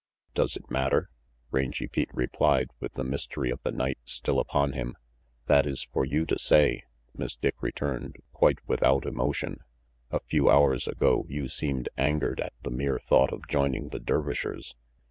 "Does it matter?" Rangy Pete replied, with the mystery of the night still upon him. "That is for you to say," Miss Dick returned, quite without emotion. "A few hours ago you seemed angered at the mere thought of joining the Dervishers.